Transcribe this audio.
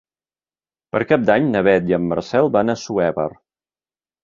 Per Cap d'Any na Beth i en Marcel van a Assuévar.